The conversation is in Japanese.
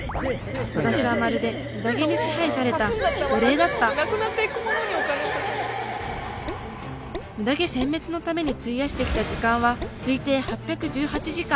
私はまるでムダ毛に支配された奴隷だったムダ毛せん滅のために費やしてきた時間は推定８１８時間。